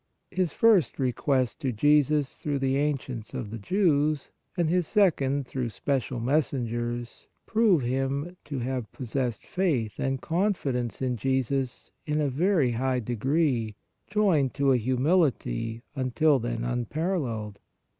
His first request to Jesus through the ancients of the Jews and his second through special messengers prove him to have pos sessed faith and confidence in Jesus in a very high degree joined to a humility until then unparalleled.